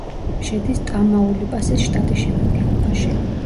შედის ტამაულიპასის შტატის შემადგენლობაში.